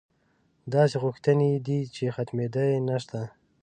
داسې غوښتنې یې دي چې ختمېدا یې نشته.